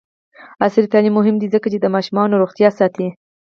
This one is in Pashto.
عصري تعلیم مهم دی ځکه چې د ماشومانو روغتیا ساتي.